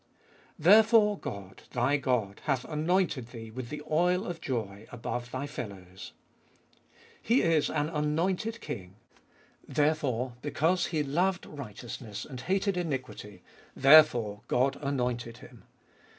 Therefore God, Thy God, hath anointed Thee with the oil of joy above Thy fellows. He is an anointed King. Therefore, because He loved righteousness and hated iniquity, therefore God anointed Him.